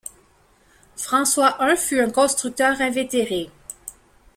François I fut un constructeur invétéré.